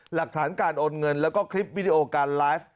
หลักฐานการโอนเงินแล้วก็คลิปวิดีโอการไลฟ์